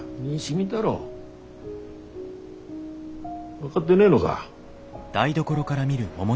分がってねえのが？